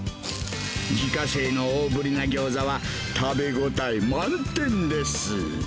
自家製の大ぶりなギョーザは、食べごたえ満点です。